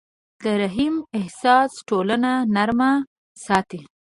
د رحم احساس ټولنه نرمه ساتي.